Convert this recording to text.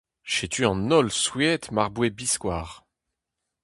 Setu an holl souezhet mar boe biskoazh :